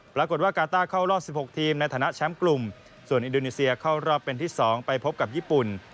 ปรากฏว่ากาต้าเข้ารอบ๑๖ทีมในฐานะแชมป์กลุ่มส่วนอินโดนีเซียเข้ารอบเป็นที่๒ไปพบกับญี่ปุ่น